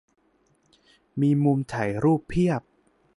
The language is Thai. มีมุมถ่ายรูปเพียบ